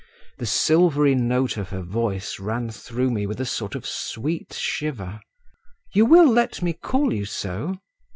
(The silvery note of her voice ran through me with a sort of sweet shiver.) "You will let me call you so?"